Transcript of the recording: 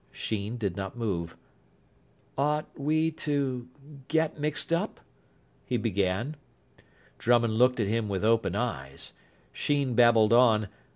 Sheen did not move. "Ought we...to get...mixed up...?" he began. Drummond looked at him with open eyes. Sheen babbled on.